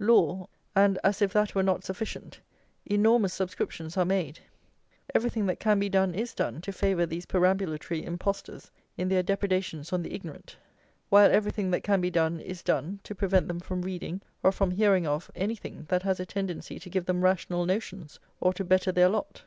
Law, and as if that were not sufficient, enormous subscriptions are made; everything that can be done is done to favour these perambulatory impostors in their depredations on the ignorant, while everything that can be done is done to prevent them from reading, or from hearing of, anything that has a tendency to give them rational notions, or to better their lot.